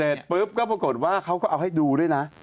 เสร็จปุ๊บก็ปรากฏว่าเขาก็เอาให้ดูด้วยนะ